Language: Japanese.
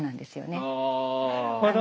なるほど。